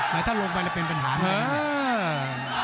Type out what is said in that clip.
แต่ถ้าลงไปแล้วเป็นปัญหาไหม